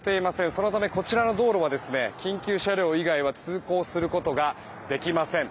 そのためこちらの道路は緊急車両以外は通行することができません。